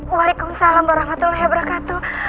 waalaikumsalam warahmatullahi wabarakatuh